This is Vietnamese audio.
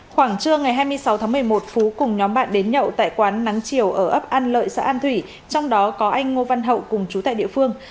khoảng trưa ngày hai mươi sáu tháng một mươi một phú cùng nhóm bạn đến nhậu tại quán nắng chiều ở ấp an lợi xã an thủy trong đó có anh ngô văn hậu cùng chú tại địa phương